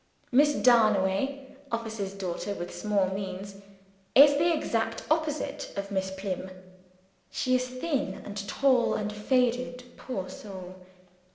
Miss Darnaway (officer's daughter with small means) is the exact opposite of Miss Plym. She is thin and tall and faded poor soul.